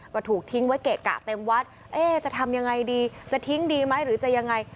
ก็ถูกทิ้งไว้เกะกะเต็มวัดเอ๊ะจะทำยังไงดีจะทิ้งดีไหมหรือจะยังไง